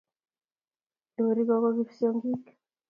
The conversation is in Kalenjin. Iuri kogo kipsongik